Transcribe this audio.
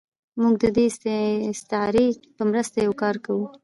موږ د دې استعارې په مرسته یو کار کوو.